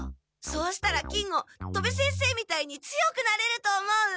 そうしたら金吾戸部先生みたいに強くなれると思う！